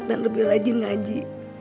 amba akan lebih rajin ngaji